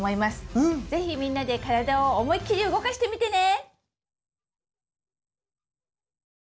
是非みんなで体を思いっきり動かしてみてね！